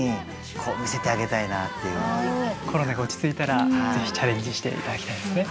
コロナが落ち着いたら是非チャレンジしていただきたいですね。